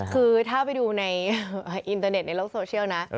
คือถ้าไปดูในอินเตอร์เน็ตในโลกโซเชียลนะ